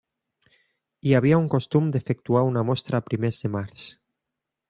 Hi havia un costum d'efectuar una mostra a primers de març.